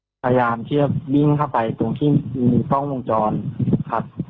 พยายามที่จะวิ่งเข้าไปตรงที่มีกล้องวงจรครับ